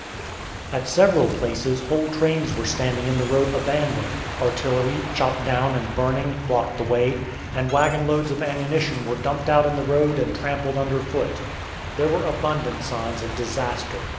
At several places whole trains were standing in the road abandoned; artillery, chopped down and burning, blocked the way, and wagonloads of ammunition were dumped out in the road and trampled under foot. There were abundant signs of disaster.